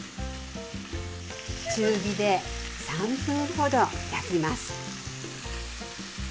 中火で３分程焼きます。